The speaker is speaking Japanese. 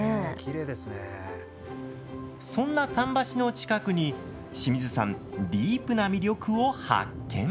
そんな桟橋の近くに、清水さん、ディープな魅力を発見。